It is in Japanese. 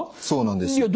そうなんです。